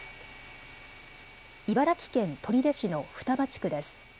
茨城県取手市の双葉地区です。